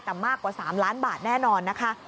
แต่มากกว่า๓ล้านบาทแน่นอนนะคะ